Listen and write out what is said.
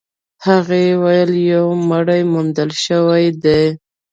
هغې وويل يو مړی موندل شوی دی.